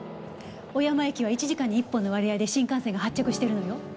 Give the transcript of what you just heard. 小山駅は１時間に１本の割合で新幹線が発着してるのよ。